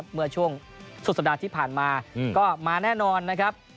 เมื่อช่วงสุดสัปดาห์ที่ผ่านมาก็มาแน่นอนนะครับ